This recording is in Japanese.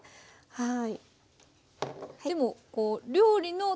はい。